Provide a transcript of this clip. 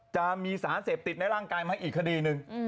จะมีสารเสพติดในร่างกายไหมอีกคดีหนึ่ง